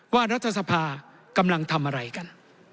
รัฐสภากำลังทำอะไรกัน